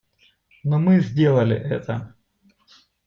Но мы сделали это.